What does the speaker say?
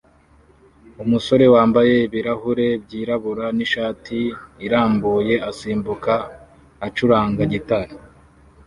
Umusore wambaye ibirahure byirabura nishati irambuye asimbuka acuranga gitari